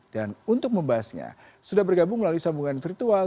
dan untuk membahasnya sudah bergabung melalui sambungan virtual